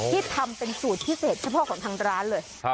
ที่ทำเป็นสูตรพิเศษเฉพาะของทางร้านเลย